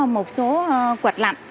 một số quạch lạnh